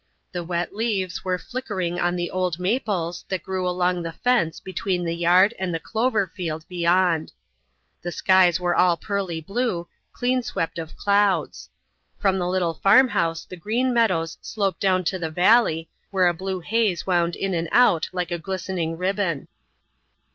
The wet leaves were flickering on the old maples that grew along the fence between the yard and the clover field beyond. The skies were all pearly blue, cleanswept of clouds. From the little farmhouse the green meadows sloped down to the valley, where a blue haze wound in and out like a glistening ribbon.